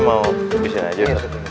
mau disini aja